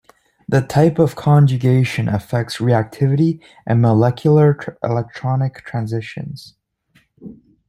The type of conjugation affects reactivity and molecular electronic transitions.